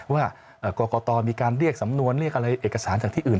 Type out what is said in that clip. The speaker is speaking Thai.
ว่ากรกตมีการเรียกสำนวนเรียกอะไรเอกสารจากที่อื่น